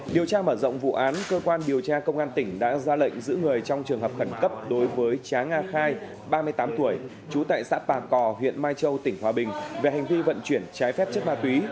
điều tra mở rộng vụ án cơ quan điều tra công an tỉnh đã ra lệnh giữ người trong trường hợp khẩn cấp đối với trá nga khai ba mươi tám tuổi trú tại xã bà cò huyện mai châu tỉnh hòa bình về hành vi vận chuyển trái phép chất ma túy